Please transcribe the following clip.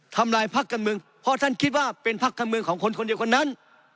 ลายพักการเมืองเพราะท่านคิดว่าเป็นพักการเมืองของคนคนเดียวคนนั้น